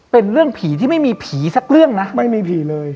เป็นเรื่องผีที่ไม่มีผีสักเรื่องนะไม่มีผีเลย